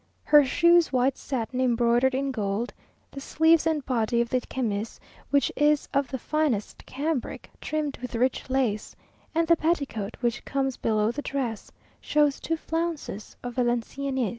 Her shoes white satin, embroidered in gold; the sleeves and body of the chemise, which is of the finest cambric, trimmed with rich lace; and the petticoat, which comes below the dress, shows two flounces of Valenciennes.